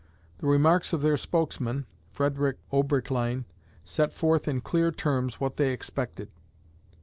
The remarks of their spokesman, Frederick Oberkleine, set forth in clear terms what they expected.